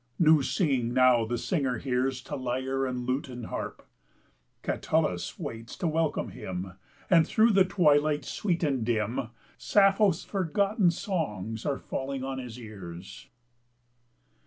New singing now the singer hears To lyre and lute and harp; Catullus waits to welcome him, And thro' the twilight sweet and dim, Sappho's forgotten songs are falling on his ears.